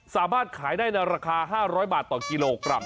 สามารถขายได้ในราคา๕๐๐บาทต่อกิโลกรัม